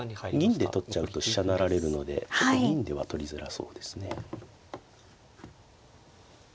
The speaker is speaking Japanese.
銀で取っちゃうと飛車成られるのでちょっと銀では取りづらそうですね。